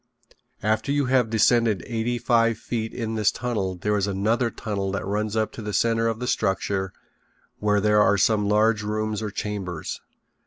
After you have descended eighty five feet in this tunnel there is another tunnel that runs up to the center of the structure where there are some large rooms or chambers.